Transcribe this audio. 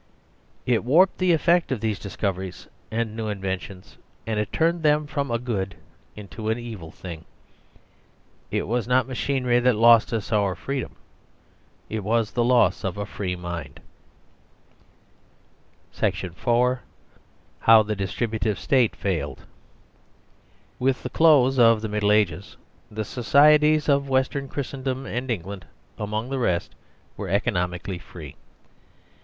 It warped the effect of these discoveries and new inventions, and it turned them from a good into an evil thing. It was not machinery that lost us our freedom ; it was the loss of a free mind. SECTION FOUR HOW THE DISTRIBUTIVE STATE FAILED SECTION THE FOURTH HOW THE DISTRIBUTIVE STATE FAILED WITH THE CLOSE OF THE MIDDLE AGES the societies of Western Christendom and England among the rest were economically free.